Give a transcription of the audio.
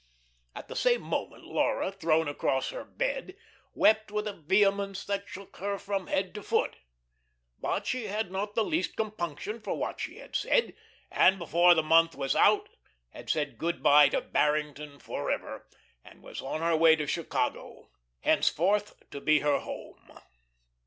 At the same moment Laura, thrown across her bed, wept with a vehemence that shook her from head to foot. But she had not the least compunction for what she had said, and before the month was out had said good by to Barrington forever, and was on her way to Chicago, henceforth to be her home.